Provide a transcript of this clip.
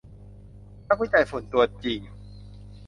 นักวิจัยฝุ่นตัวจริง